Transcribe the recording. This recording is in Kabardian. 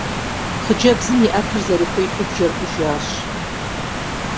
Хъыджэбзым и Ӏэпэр зэрыхуихьу бжэр Ӏужащ.